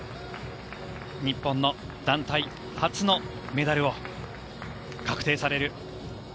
日本の団体初のメダルを確定される